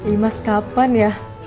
ih mas kapan ya